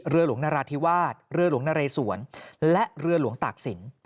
เรือหลวงนราธิวาสเรือหลวงนเรสวนและเรือหลวงตากศิลป์